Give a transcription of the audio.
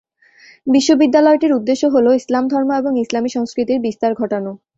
বিশ্ববিদ্যালয়টির উদ্দেশ্য হল ইসলাম ধর্ম এবং ইসলামী সংস্কৃতির বিস্তার ঘটানো।